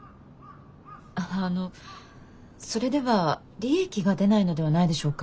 あのそれでは利益が出ないのではないでしょうか。